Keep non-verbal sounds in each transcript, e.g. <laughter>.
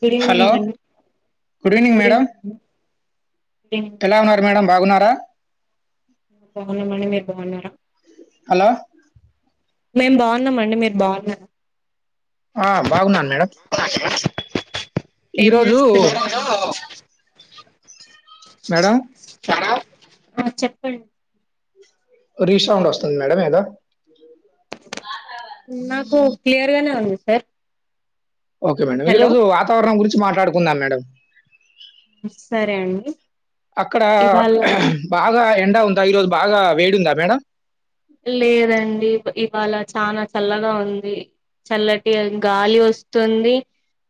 Good hello evening madam good good madam evening అమ్మా ఎలా ఉన్నారు మేడం బాగున్నారా బాగున్నం అండి మీరు బాగున్నార హలో మేం బాగున్నమండి మీరు బాగున్నారా ఆ బాగున్నాను మేడం ఏం ఈరోజు జేస్తున్నరు మేడం ఆ చెప్పండి రీసౌండ్ వస్తుంది మేడం ఏదో నాకు క్లియర్గానే ఉంది సార్ ఓకే మేడం ఈ హలో రోజు వాతావరణం గురించి మాట్లాడుకుందాం మేడం సరే అండి అక్కడ ఇవాళ బాగా ఎండ ఉందా ఈరోజు బాగా వేడి ఉందా మేడం లేదండి ఇవాళ చాన చల్లగా ఉంది చల్లటి గాలి వస్తుంది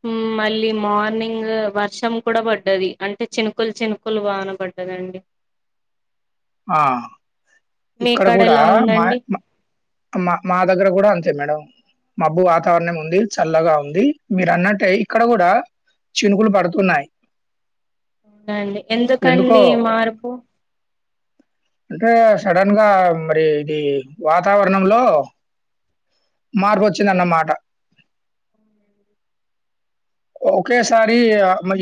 ఉం మళ్ళీ మార్నింగ్ వర్షం కూడా పడ్డది అంటే చినుకులు చినుకులు వాన పడ్డది అదండి ఆ ఇక్కడ మీకాడ కూడా ఎలా మా ఉందండి మా మా దగ్గర కూడా అంతే మేడం మబ్బు వాతావరణం ఉంది చల్లగా ఉంది మీరు అన్నట్టే ఇక్కడ కూడా చినుకలు పడుతున్నయి అవునండి ఎందుకండి ఈ మార్పు అంటే సడన్ గా మరి ఇది వాతావరణంలో మార్పోచ్చిందిన్నమాట ఒకేసారి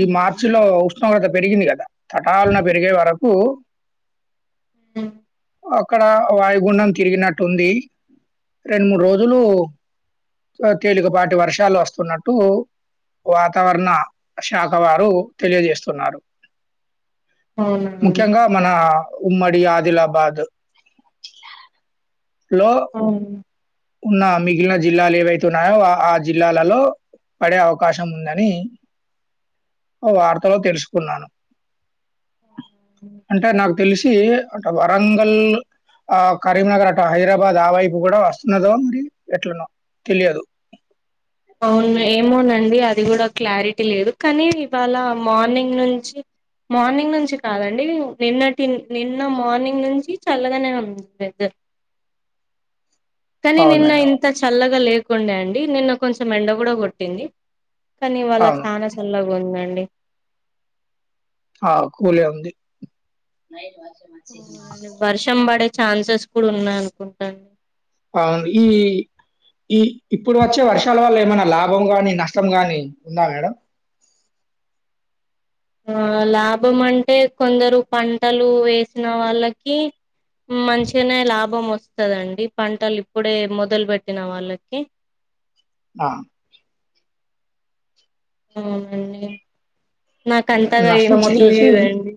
ఈ మార్చి లో ఉష్ణోగ్రత పెరిగింది కదా తటాలన పెరిగే వరకు కు హ అక్కడ వాయుగుండం తిరిగినట్టుంది రెండు మూడు రోజులు తేలికపాటి వర్షాలు వస్తున్నట్టు వాతావరణ శాఖ వారు తెలియజేస్తున్నారు. అవునా అండి ముఖ్యంగా మనా ఉమ్మడి ఆదిలాబాద్ ఆఁ ఉన్న మిగిలిన జిల్లాలు ఏవైతే ఉన్నాయో ఆ ఆ జిల్లాలలో పడే అవ కాశం ఉందని వార్తలో తెలుసుకున్నాను. అంటే నాకు తెలిసి అటు వరంగల్ ఆ కరీంనగర్ అటు హైదరాబాద్ ఆ వైపు కూడ వస్తున్నదో మరి ఎట్ననో తెలియదు అవును ఏమోనండి అ ది కూడ క్లారిటీ లేదు కానీ ఇవాళ మార్నింగ్ నుంచి మార్నింగ్ నుంచి కాదండి నిన్నటి నిన్న మార్నింగ్ నుంచి చల్లగానే ఉంది వెదర్ కనీ అవును నిన్న మేడం. ఇంత చల్లగా లేకుండే అండి, నిన్న కొంచెం ఎండ కూడ కొట్టింది. కనీ ఇవాళ అవును. చాన చల్లగ ఉందండి. ఆ కూలే ఉంది. అవునండి వర్షం పడే ఛాన్సెస్ కూడా ఉన్నాయి అనుకుంటా అండి ఆఁ ఈ ఈ ఇప్పుడు వచ్చే వర్షాల వల్ల ఏమైనా లాభం గాని నష్టం గానీ ఉందా మేడం? ఆ లాభం అంటే కొందరు పంటలు వేసిన వాళ్ళకి మంచిగనే లాభం వస్తదండి పంటలు ఇప్పుడే మొదలు పెట్టిన వాళ్ళకి. ఆ మ్ నాకు అంతగా ఏం నష్టం తెలియదండి.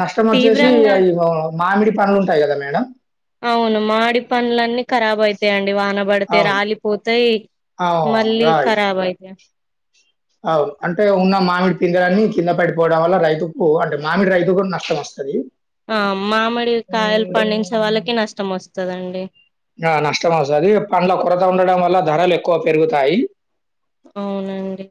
నష్టం వచ్చేసి తీవ్రంగా అవి మామిడి పడ్లుంటయి కదా మేడం అవును మాడి పండ్లాన్ని కరాబ్ అయితయి అం డి వానబడితే అవును. రాలిపోతయి ఆ! మళ్ళీ కరాబ్ అయితయి అవు అంటే ఉన్న మామిడి పిందెలన్ని కింద పడిపోవడం వల్ల రైతుకు అంటే మామిడి రైతు కూడ నష్టం వస్తది. ఆ మామిడి కాయలు పండించే వాళ్ళకే నష్టం వస్తదండి. ఆ నష్టమే వస్తది పండ్ల కొరత ఉండడం వల్ల ధరలు ఎక్కువ పెరుగుతాయి. అవునండి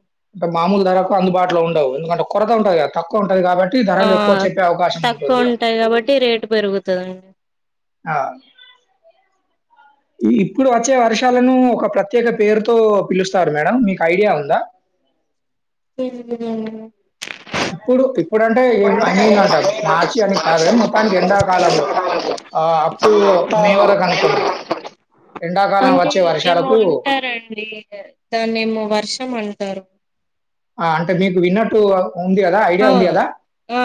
మాములు ధరకు అందుబాటులో ఉండవు. ఎదుకంటే కొరత ఉంటది కదా తక్కువ ఉంటది కాబట్టి ఆ ధరలు ఎక్కువ చెప్పే అవకాశం ఉంటుంది. తక్కువ ఉంటాయి కాబట్టి రేటు పెరుగుతదండి ఆ ఇప్పుడు వచ్చే వర్షాలను ఒక ప్రత్యేక పేరుతో పిలుస్తారు మేడం మీకు ఐడియా ఉందా! ఉ ఇప్పుడు ఇప్పుడంటే ఏం ఐ మీన్ అంటా కూడా మార్చి అని కాదు కానీ మొత్తానికి ఎండాకాలంలో ఆ అప్ టు మే వరకు అనుకోండి. అంటే ఏమో అంటారండి దాన్ని ఏమో వర్షం అంటారు! ఆ అంటే మీకు విన్నట్టు ఉంది కదా ఆ ఐడియా ఉంది కదా! ఆ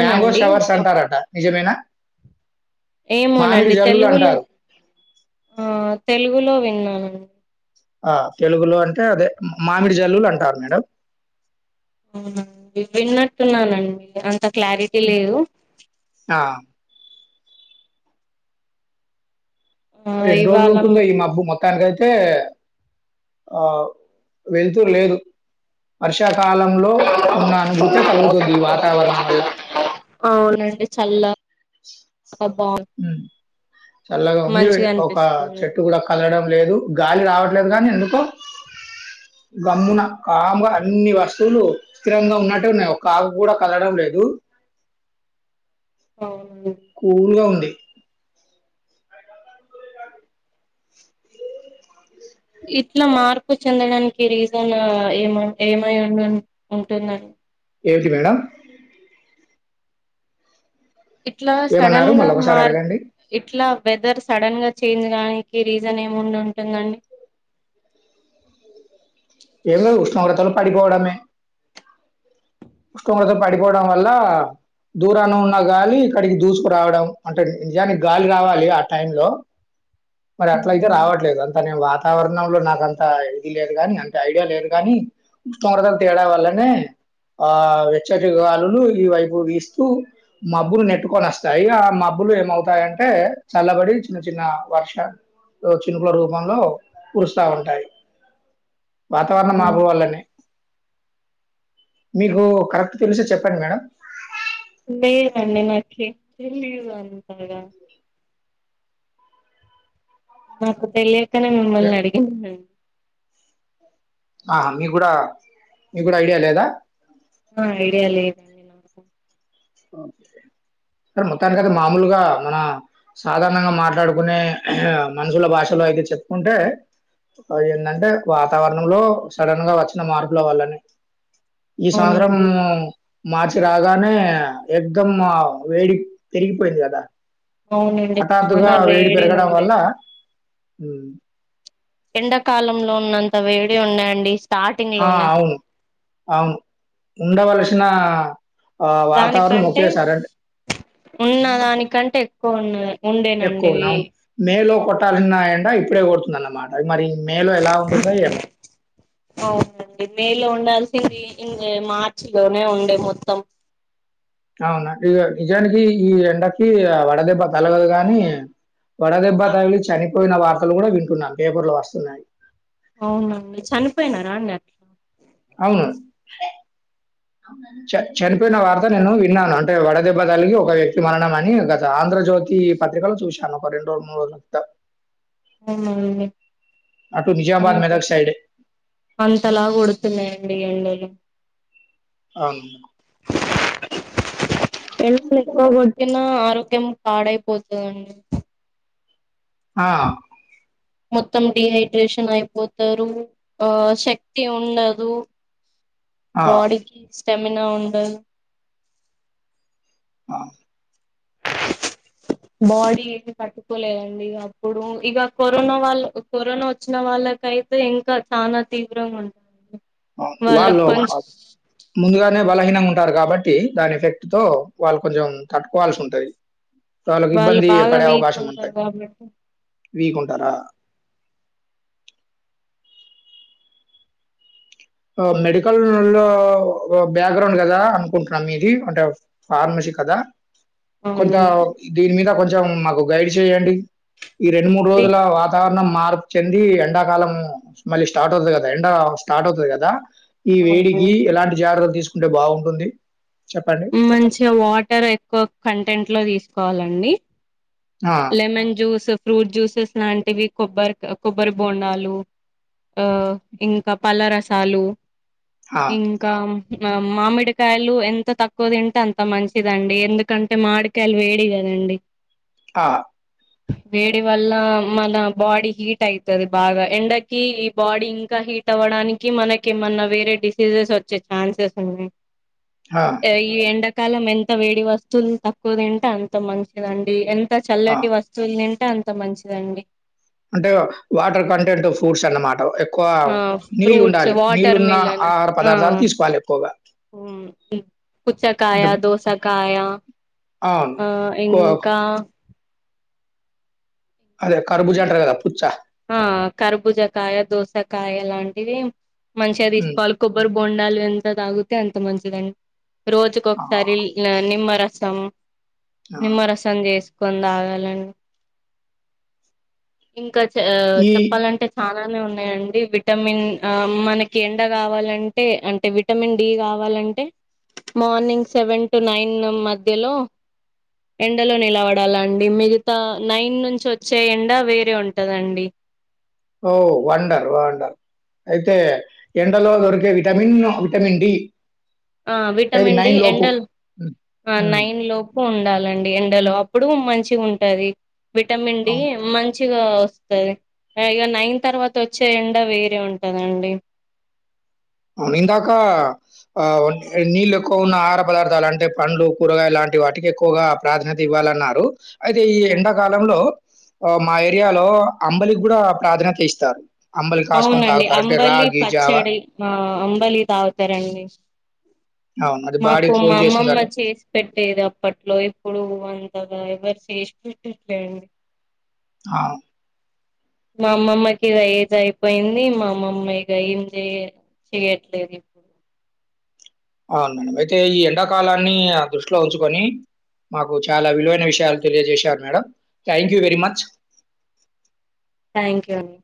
మ్యాంగో షవర్స్ అంటారట నిజమేనా? మామిడి ఏమోనండి తెలుగులో జల్లులంటారు. ఆ తెలుగులో విన్నాను. ఆ తెలుగులో అంటే అదే మామిడి జల్లులు అంటారు మేడం. అవునా విన్నట్టున్నానండి అంత క్లారిటీ లేదు. ఆ! ఆ ఎన్ని ఇవాళ రోజులుంటుందో ఈ మబ్బు మొ త్తానికైతే ఆ వెలుతురు లేదు వర్షా కాలంలో ఉన్న అనుభూతే కలుగుతుంది ఈ వాతావరణం వల్ల. అవునండి చల్ల మ్ చల్లగా ఉంది మంచిగా ఒక అనిపిస్తుంది చెట్టు కూడా కదలడం లేదు గాలి రావడం లేదు కానీ ఎందుకో గమ్మున ఆ కాముగ అన్ని వస్తువులు స్థిరంగా ఉన్నట్టు ఉన్నాయి ఒక ఆకు కూడా కదలడం లేదు అవు కూల్గా ఉంది ఇట్లా మార్పు చెందడానికి రీజన్ ఏమంట్ ఏమై ఉంటుంద ఏవిటి మేడం ఇట్లా సడన్ ఏమన్నారు? గా మళ్ళొకసారి మార్ అడగండి. ఇట్లా వెదర్ సడన్ గా చేంజ్ కానికి రీజన్ ఏముండి ఉంటుందండి ఏమి లేదు ఉష్ణోగ్రతలు పడిపోవడమే ఉష్ణోగ్రతలు పడిపోవడం వల్ల దూరాన ఉన్న గాలి ఇక్కడికి దూసుకురావడం అంటే నిజానికి గాలి రావాలి ఆ టైం లో మరి అట్ల అయితే హ్మ్. రావట్లేదు అంత నేను వాతావరణంలో నాకంత ఇది లేదు గాని అ ఐడియా లేదు గాని ఉష్ణోగ్రతలు తేడా వాళ్ళనే ఆ వెచ్చటిగాలులు ఈ వైపు వీస్తూ మబ్బులు నెట్టుకొని వస్తాయి ఆ మబ్బులు ఏమవుతాయంటే చల్లబడి చిన్న చిన్న వర్ష చినుకుల రూపంలో కురుస్తా ఉంటాయి వాతావరణం హ్మ్. మార్పు వల్లనే మీకు కరెక్ట్ తెలిస్తె చెప్పండి మేడం లేదండి నాకి తెలిదంతగా నాకు తెలియకనే మిమ్మల్ని అడిగిందండి ఆ మీ కూడా మీ కూడా ఐడియా లేదా ఆ ఐడియా లేదు ఓకే స మొత్తానికయితే మామూలుగా మన సాధారణంగా మాట్లాడుకునే మనుషుల భాషలో పైగా చెప్పుకుంటే ఏంటంటే వాతావరణంలో సడన్ గా వచ్చిన మార్పుల వల్లనే ఈ సంవత్సరం అవునండి మార్చి రాగానే ఎకుదం వేడి పెరిగిపోయింది కదా అవునండి హఠాత్తుగా చాలా వేడి పెరగడం ఉండే వల్ల ఎండాకాలంలో ఉన్నంత వేడి ఉన్నాయండి స్టార్టింగ్ ఆ లోనే అవును అవును ఉండవలసిన వాతావరణం దానికంటే ఒకేసార్ అం ఉన్న దానికంటే ఎక్కువున్నది ఎక్కువ ఉన్నాం మేలో కొట్టాల్సిన ఎం ఇప్పుడే కొతుంది అన్నమాట అది మరి మే లో ఎలా ఉంటుందో ఏమో మే లో ఉండాల్సింది మార్చి లోనే ఉండే మొత్తం అవునా ఇ నిజానికి ఈ ఎండకి వడదెబ్బ తలగదు గాని వడదెబ్బ తగిలి చనిపోయిన వార్తలు కూడా వింటున్నాం పేపర్లు వస్తున్నాయి అవునండి చనిపోయినారా అండి అట్లా అవును చ చనిపోయిన వార్త నేను అంటే వడదెబ్బ దల్కి ఒక వ్యక్తి మనణమ అని ఆంధ్రజ్యోతి పత్రికలో చూశాను రెండు రోజు మూడు రోజ తా <unintelligible> అ నిజామాబాద్, అంత మెదక్ సైడే. అంతలా కొడుతున్నాయండి అవును అ వెళ్ళ ఎక్కువ కొట్టినా ఆరోగ్యం పడయిపోతుందండి ఆ మొత్తం డిహైడ్రేషన్ అయిపోతారు ఆ శక్తి ఉండదు ఆ! బాడీకి స్టెమిన ఉండదు ఆ బాడీ ఏ తట్టుకోలేదండి అప్పుడు ఇక కరోనా వాళ్ళ కరోనా వచ్చిన వాళ్ళ వాళ్ళకైతే ఇంకా చనా తీవ్రంగా ఉంటు వాళ్ళు ముందుగానే బలహీనంగా ఉంటారు కాబట్టి టి దాని ఎఫెక్ట్ తో వాళ్ళు కొంచం తట్టుకోవాల్సి ఉంటది వాళ్ళకి వాళ్ళు ఇబ్బంది బాగా పడే వీక్ అవకాశం ఉంటారు ఉంటది కాబట్టి వీకుంటారా మెడికల్ లో బ్యాక్గ్రౌండ్ కదా అనుకుంటున్నాం మీది అంటే ఫార్మసీ కదా కొంత అవునండి దీని మీద కొంచెం మాకు గైడ్ చేయండి ఈ రెండు మూడు ఏ రోజుల వాతా వరణం మార్పు చెంది ఎండాకాలం మళ్ళీ స్టార్ట్ అవుతుంది కదా ఎండ స్టార్ట్ అవుతుది కదా ఈ అవును వేడికి ఎలాంటి జాగ్రత్తలు తీసుకుంటే బాగుంటుంది మంచిగా వాటర్ ఎక్కువ కంటెంట్ లో తీసుకోవాలండి ఆ! లెమన్ జ్యూస్ ఫ్రూట్ జ్యూసెస్ లాంటివి కొబ్బరి కొబ్బరి బోండాలు ఆ ఇంకా పళ్ళ రసాలు ఆ! ఇంకా మామిడికాయలు ఎంత తక్కువ తింటే అంత మంచిదండి ఎందుకంటే మామిడికాయలు వేడి కదా అండి ఆ వేడి వల్ల మన బాడీ హీట్ అయితది బాగా ఎండకి ఈ బాడీ ఇంకా ట్ అవ్వడానికి మనకి ఏమన్నా వేరే డిసీజెస్ వచ్చే ఛాన్సెస్ ఉన్నాయి ఆ! ఈ ఎండ కాలం ఎంత వేడి వస్తువులు తక్కువ తింటే అంత మంచిదండి ఎంత ఆ! చల్లటి వస్తువులు తింటే అంత మంచిదండి అంటే వాటర్ కంటెంట్ ఫుడ్స్ అన్నమాట ఎ క్కువ ఆ నీళ్ళు ఫ్రూట్స్ ఉండాలి వాటర్ నీళ్ళున్న మిలన్ ఆహార ఆ పదార్థాలు తీసుకోవాలి ఎక్కువగా పుచ్చకాయ, అంటే దోసకాయ అవును. ఆ కో ఇంకా అదే కర్బూజా అంటారు కదా! పుచ్చ. ఆ కర్బుజకాయ దోసకాయ లాంటివి మంచిగా హ్మ్. తీసుకోవాలి కొబ్బరి బొండాలు ఎంత తాగితే అంత మంచిదండి రోజుక ఆ! ఒకసారి నిమ్మరసం ఆ! నిమ్మరసం చేసు తాగాలండి ఇంకా చె ఈ చెప్పాలంటే చా ఉన్నాయండి విటమిన్ మనకి ఎండ కావాలంటే అంటే విటమిన్ డి కావాల అంటే మార్నింగ్ సెవెన్ టు నైన్ మధ్యలో ఎండలో నిలవడాల అండి మిగతా నైన్ నుంచి వచ్చే ఎండ వేరే ఉంటందండి ఓ వండర్ వండర్ అయితే ఎండలో దొరికే విటమిన్ విటమిన్ డి ఆ ఏది విటమిన్ డి లోపు. ఎండల్ హ్మ్. హ్మ్. నైన్ లోపు ఉండాలి అప్పుడు మంచి ఉంటంది విటమిన్ అవును. మ మంచిగా వస్తుంది ఇక నైన్ తర్వాత వచ్చే ఎండ వేరే ఉంటందండి అవును ఇందాక ఆ నీళ్ళు ఎక్కువ ఉన్న ఆహార పదార్థాలు అంటే పండ్లు కూరగాయ లాంటి వాటికి ఎక్కువగా ప్రాధాన్యత ఇవ్వాలన్నారు అయితే ఈ అవును. ఎండాకాలంలో మా ఏరియాలో అంబలికి కూడా ప్రాధాన్యత ఇస్తారు అంబలి కాసుకొని అవునండి తాగుతారు అంటే అంబలి రాగి జావా పచ్చడి ఆ అంబలి తాగుతారండి అవును. అది బాడీ మాకు మా కూల్ అమ్మమ్మ చేస్తుందట. చేసి పెట్టేది అప్పట్లో ఇప్పుడు అంతగా ఎవరు చేసిట్ట్లేండి ఆ మా అమ్మమ్మయికి ఇగ ఏజ్ అయిపోయింది మా అమ్మమ్మయిక ఏం చెయ చెయట్లేదు ఇప్పుడు అవును మేడం అయితే ఈ ఎండాకాలాన్ని ఆ దృష్టిలో ఉంచుకొని మాకు చాలా విలువైన విషయాలు తెలియజేశారు madam thank you very much thank you అండి